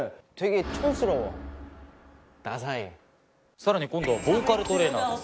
さらに今度はボーカルトレーナーです。